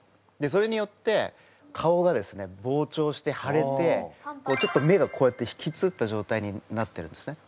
それによって顔がですねぼうちょうしてはれてちょっと目がこうやってひきつった状態になってるんですね。